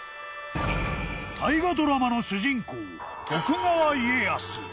［大河ドラマの主人公徳川家康］